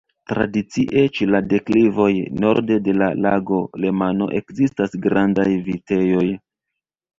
Tradicie ĉe la deklivoj norde de la Lago Lemano ekzistas grandaj vitejoj.